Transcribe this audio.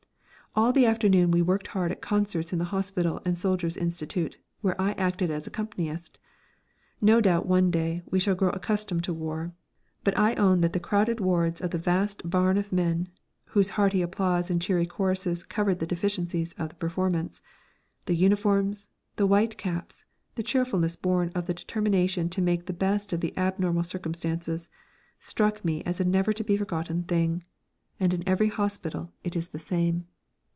All the afternoon we worked hard at concerts in the hospital and soldiers' institute, where I acted as accompanist. No doubt one day we shall grow accustomed to war, but I own that the crowded wards of the vast barn of men (whose hearty applause and cheery choruses covered the deficiencies of the performance), the uniforms, the white caps, the cheerfulness born of the determination to make the best of the abnormal circumstances, struck me as a never to be forgotten thing. And in every hospital it is the same.